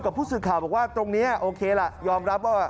ให้กับผู้สื่อข่าวว่าตรงนี้โอเคละยอมรับว่า